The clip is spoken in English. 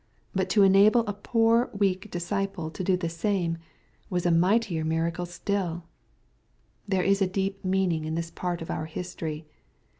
But to enable a poor weak disciple to do the same^ was a mightier miracle stiU. ^« There is a deep meaning in this part of our history.